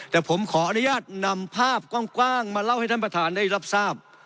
แต่ผมขออนุญาตนำภาพกว้างมาเล่าให้ท่านประธานได้รับทราบ